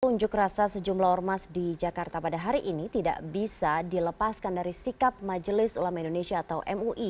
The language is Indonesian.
unjuk rasa sejumlah ormas di jakarta pada hari ini tidak bisa dilepaskan dari sikap majelis ulama indonesia atau mui